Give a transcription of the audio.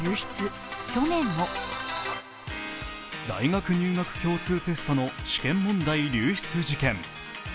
大学入学共通テストの試験問題流出事件。